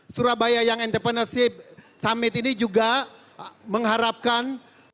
surabaya yang entrepreneur summit ini juga mengharapkan